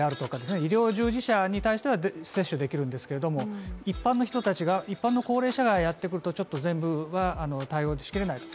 医療従事者に対しては接種できるんですけれども、一般の人たちが、一般の高齢者がやってくるとちょっと全部は対応しきれない。